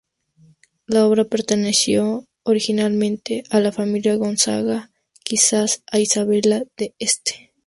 La obra perteneció originalmente a la familia Gonzaga, quizás a Isabella d'Este.